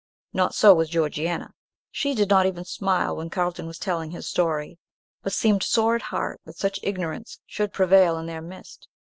Not so with Georgiana. She did not even smile when Carlton was telling his story, but seemed sore at heart that such ignorance should prevail in their midst.